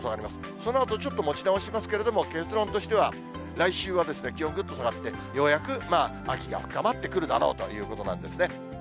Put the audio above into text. そのあとちょっと持ち直しますけれども、結論としては、来週は気温ぐっと下がって、ようやく秋が深まってくるだろうということなんですね。